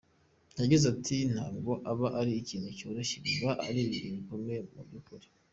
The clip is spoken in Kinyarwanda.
Yagize ati “Ntabwo aba ari ikintu cyoroshye, biba ari ibihe bikomeye mu by’ukuri.